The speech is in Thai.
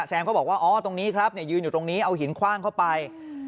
แซมก็บอกว่าอ๋อตรงนี้ครับยืนอยู่ตรงนี้เอาหินคว่างเข้าไป